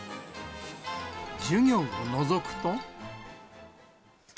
授業をのぞくと。